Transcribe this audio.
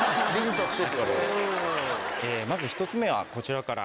まず１つ目はこちらから。